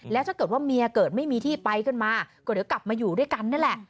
แล้วถ้าเกิดว่าเมียเกิดไม่มีที่ไปขึ้นมาก็เดี๋ยวกลับมาอยู่ด้วยกันนั่นแหละ